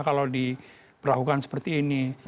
kalau diperlakukan seperti ini